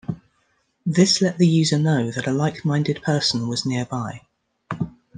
This let the user know that a like-minded person was nearby.